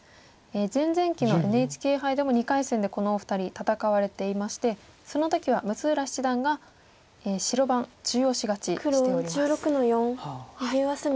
前々期のＮＨＫ杯でも２回戦でこのお二人戦われていましてその時は六浦七段が白番中押し勝ちしております。